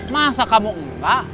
masa kamu enggak